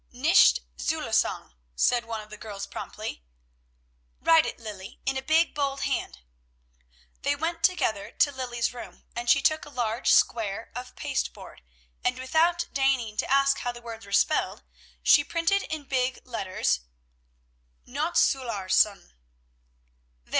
"Nicht Zulassung," said one of the girls promptly. "Write it, Lilly, in a big, bold hand." They went together to Lilly's room; and she took a large square of pasteboard, and, without deigning to ask how the words were spelled, she printed in big letters: "NOTTZ ULLARSG." "There!"